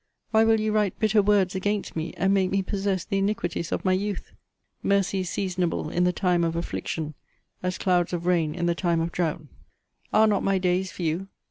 Why will ye write bitter words against me, and make me possess the iniquities of my youth? Mercy is seasonable in the time of affliction, as clouds of rain in the time of drought. Are not my days few?